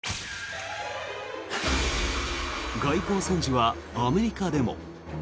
外交惨事はアメリカでも。